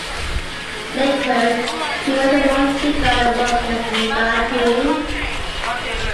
Later he worked among tea garden workers in Darjeeling.